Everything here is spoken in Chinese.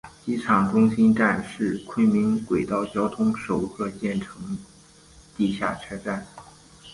机场中心站是昆明轨道交通首个建成地下车站。